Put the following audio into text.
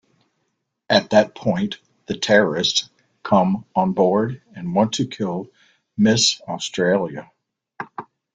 At that point, the terrorists come onboard and want to kill Miss Australia.